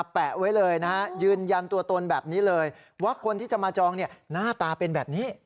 เพราะคนที่จะมาจองหน้าตาเป็นแบบนี้